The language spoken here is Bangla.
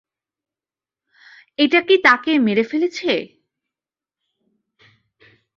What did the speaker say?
এটা কি তাকে মেরে ফেলেছে?